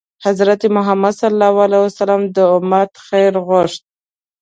حضرت محمد ﷺ د امت خیر غوښت.